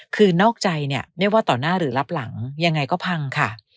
คือนอกใจเนี่ยไม่ว่าต่อหน้าหรือรับหลังยังไงก็พังค่ะ